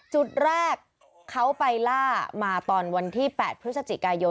จุดแรกเขาไปล่ามาตอนวันที่๘พย